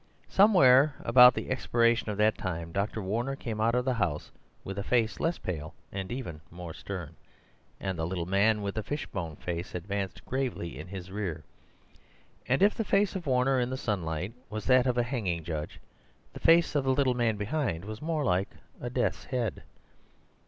Somewhere about the expiration of that time Dr. Warner came out of the house with a face less pale but even more stern, and the little man with the fish bone face advanced gravely in his rear. And if the face of Warner in the sunlight was that of a hanging judge, the face of the little man behind was more like a death's head.